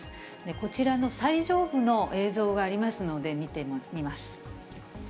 こちらの最上部の映像がありますので、見てみます。